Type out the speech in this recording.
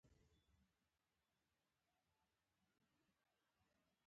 منځنۍ برخه د میدولا په نامه یادیږي.